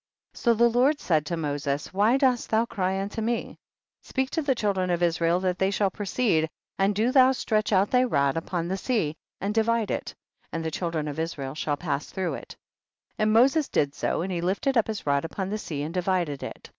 36. So the Lord said to Moses, why dost thou cry unto me ? speak to the children of Israel that they shall proceed, and do thou stretch out thy rod upon the sea and divide it, and the children of Israel shall pass through it. 244 THE BOOK OF JASHER. 37. And Moses did so, and he lifted up his rod upon the sea and di vided it.